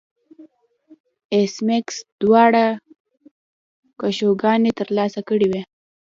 ایس میکس دواړه کشوګانې ترلاسه کړې وې